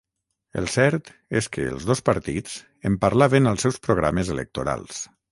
El cert és que els dos partits en parlaven als seus programes electorals